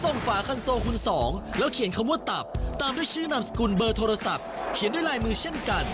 เพราะคุณโกมบอกแล้วว่าแจกต่ออีกทั้งหมด๑๐๐คัน